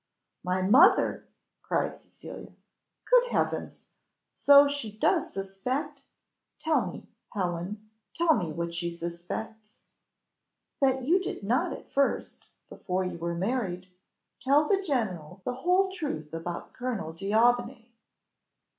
"My mother!" cried Cecilia: "Good heavens! so she does suspect? tell me, Helen, tell me what she suspects." "That you did not at first before you were married, tell the general the whole truth about Colonel D'Aubigny."